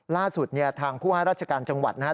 ล่าสุดทางผู้ห้าราชการจังหวัดนะครับ